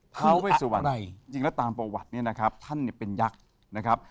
ท้าเวชสุวันจริงแล้วตามประวัติท่านเนี่ยเป็นยักษ์นะครับ